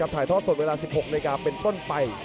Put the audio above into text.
ถ่ายทอดส่วนเวลา๑๖นาทีเป็นต้นไป